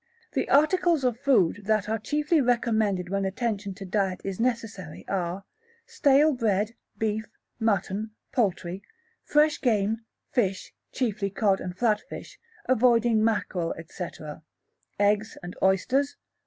The articles of food that are chiefly recommended when attention to diet is necessary are stale bread, beef, mutton, poultry, fresh game, fish, chiefly cod and flat fish, avoiding mackerel, &c., eggs and oysters.